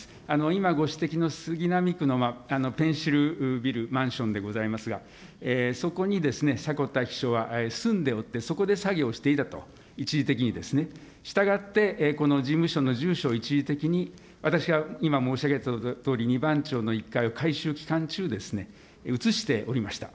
今、ご指摘の杉並区のペンシルビル、マンションでございますが、そこに迫田秘書は住んでおって、そこで作業をしていたと、一時的にですね、したがって、この事務所の住所を一時的に、私が今申し上げたとおり、２番町の１階を改修期間中ですね、移しておりました。